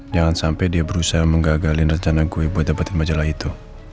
jangan sampai dia berusaha menggagalin rencana gue buat dapetin majalah itu